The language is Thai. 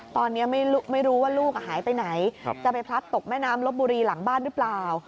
ตอนนี้ไม่รู้ว่าลูกหายไปไหนจะไปพลัดตกแม่น้ำลบบุรีหลังบ้านหรือเปล่า